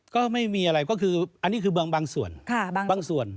ก็ไม่มีอะไรก็คืออันนี้คือบางส่วนบางส่วน